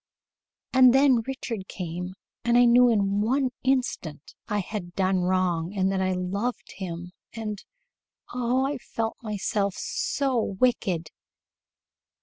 "And then Richard came, and I knew in one instant that I had done wrong and that I loved him and oh, I felt myself so wicked."